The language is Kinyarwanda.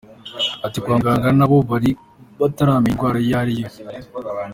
Ati “Kwa muganga na bo bari bataramenya indwara iyo ari yo.